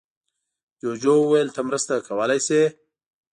جوجو وویل ته مرسته کولی شې.